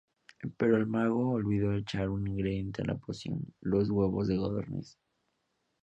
Pero el mago olvidó echar un ingrediente a la poción: los huevos de codorniz.